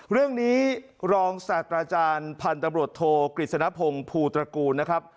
เรื่องนี้รองสัตว์อาจารย์พันธบทกฤษณพงษ์ภูตระกูลนะครับ